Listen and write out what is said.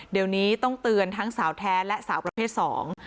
เดี๋ยวนี้ต้องเตือนทั้งสาวแท้และสาวประเภทสอง